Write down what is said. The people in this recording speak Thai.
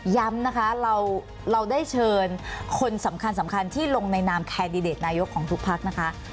ย้ำนะคะเราได้เชิญคนสำคัญที่ลงในนามแคนดิเดตนายกของทุกพักนะคะ